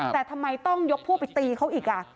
แต่ทำไมต้องยกพวกไปตีเขาอีก